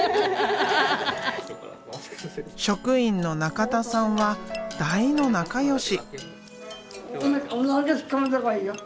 職員の中田さんは大の仲よし。